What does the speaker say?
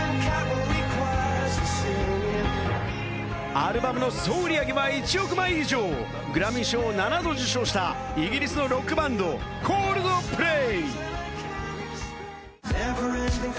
アルバムの総売り上げは１億万以上、グラミー賞を７度受賞したイギリスのロックバンド、コールドプレイ。